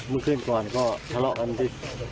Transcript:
เมื่อคืนก่อนก็ทะเลาะกันที่